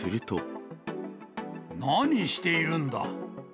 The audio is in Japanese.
何しているんだ。